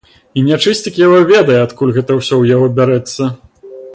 І нячысцік яго ведае, адкуль гэта ўсё ў яго бярэцца?